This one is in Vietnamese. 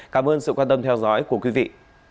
cảm ơn sự quan tâm theo dõi của quý vị